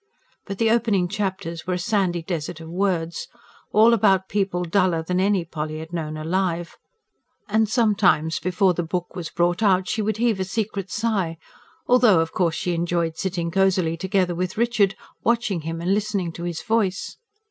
But the opening chapters were a sandy desert of words, all about people duller than any Polly had known alive; and sometimes, before the book was brought out, she would heave a secret sigh although, of course, she enjoyed sitting cosily together with Richard, watching him and listening to his voice.